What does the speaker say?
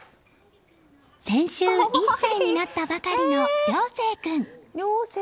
先週、１歳になったばかりの諒星君。